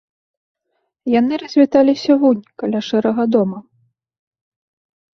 Яны развіталіся вунь каля шэрага дома.